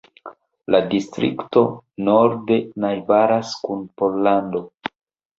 La distrikto norde najbaras kun Pollando.